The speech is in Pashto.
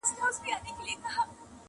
یوازي په خپل ځان به سې شهید او غازي دواړه؛